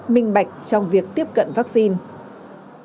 minh bạch trong việc tiếp cận vaccine